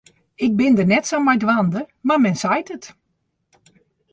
Ik bin dêr net sa mei dwaande, mar men seit it.